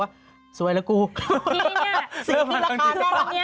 คุณพ่อค่ะคุณพ่อค่ะ